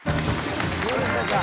どうでしょうか？